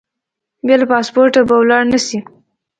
بې له پاسپورټه به ولاړ نه شې.